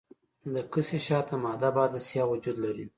د کسي شاته محدبه عدسیه وجود لري.